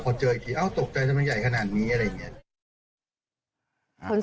พอเจออีกทีเอ้าตกใจทำไมมันใหญ่ขนาดนี้อะไรอย่างนี้